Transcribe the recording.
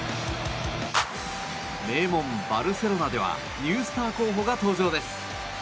名門バルセロナではニュースター候補が登場です。